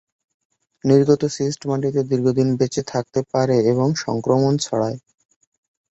নির্গত সিস্ট মাটিতে দীর্ঘদিন বেঁচে থাকতে পারে এবং সংক্রমণ ছড়ায়।